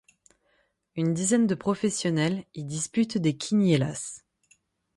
Une quinzaine de professionnels y dispute des quiniélas.